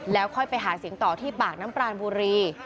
แล้วค่อยไปหาเสียงต่อที่ปากน้ำปรานบุรี